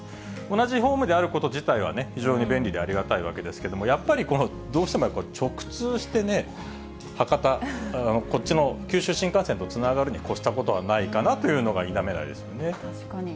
同じホームであること自体は非常に便利でありがたいわけですけれども、やっぱり、どうしても直通してね、博多、こっちの九州新幹線とつながるに越したことはないかなというのは確かに。